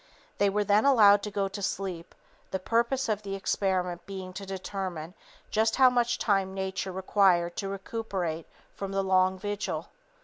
They were then allowed to go to sleep, the purpose of the experiment being to determine just how much time Nature required to recuperate from the long vigil.